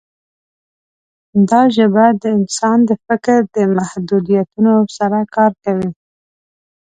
دا ژبه د انسان د فکر د محدودیتونو سره کار کوي.